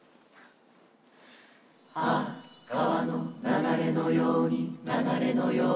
「ああ川の流れのように流れのように」